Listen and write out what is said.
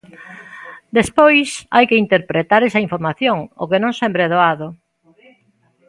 Despois hai que interpretar esa información, o que non sempre é doado.